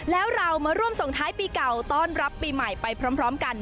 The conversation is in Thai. แล้วเรามาร่วมส่งท้ายปีเก่าต้อนรับปีใหม่ไปพร้อมกัน